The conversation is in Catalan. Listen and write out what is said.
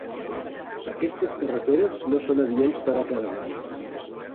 Aquestes carreteres no són adients per a caravanes.